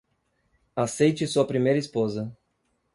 Aceite sua primeira esposa.